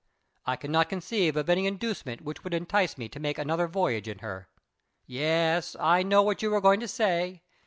I cannot conceive of any inducement which could entice me to make another voyage in her. Yes, I know what you are going to say.